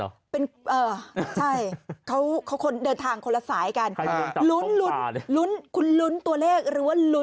โอ้เป็นครูแข่งกันเหรอ